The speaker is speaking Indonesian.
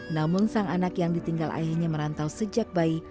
namun sang anak yang ditinggal ayahnya merantau sejak bayi